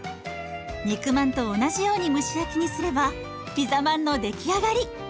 肉まんと同じように蒸し焼きにすればピザまんの出来上がり。